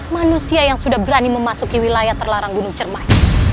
manusia yang sudah berani memasuki wilayah terlarang gunung cermai